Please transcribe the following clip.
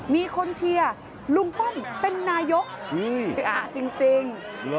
มีคนเชียร์ลุงป้อมเป็นนายกจริง